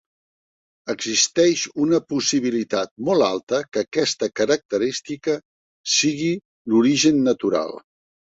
Existeix una possibilitat molt alta que aquesta característica sigui l"origen natural.